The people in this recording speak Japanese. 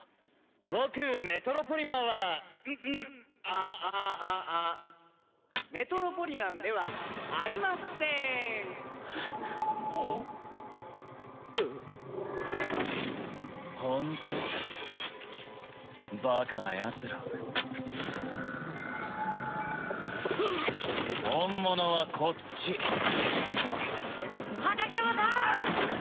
僕メトロポリマンはうんうんあーあーメトロポリマンではありませーんえっホントバカなヤツら本物はこっち畠山さーん！